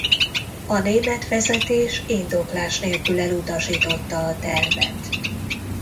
A német vezetés indoklás nélkül elutasította a tervet.